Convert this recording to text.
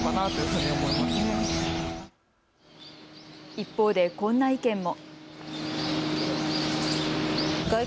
一方で、こんな意見も。